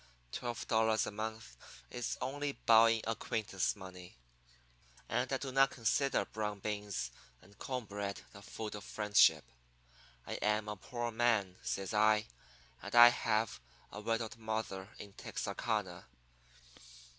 Twelve dollars a month is only bowing acquaintance money. And I do not consider brown beans and corn bread the food of friendship. I am a poor man,' says I, 'and I have a widowed mother in Texarkana.